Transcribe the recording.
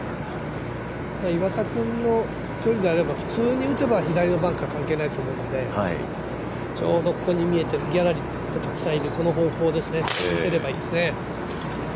岩田君の距離であれば普通に打てば左のバンカー関係ないと思うんでちょうどここに見えるギャラリーのたくさんいるこの方向ですね。